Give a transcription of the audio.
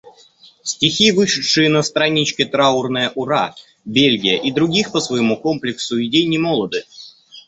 Стихи, вышедшие на страничке «Траурное ура», «Бельгия» и других по своему комплексу идей немолоды.